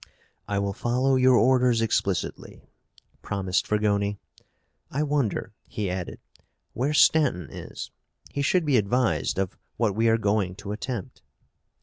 "I will follow your orders explicitly," promised Fragoni. "I wonder," he added, "where Stanton is? He should be advised of what we are going to attempt."